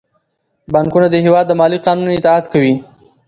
بانکونه د هیواد د مالي قانون اطاعت کوي.